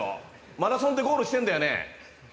マラソンってゴールしてるんだよね？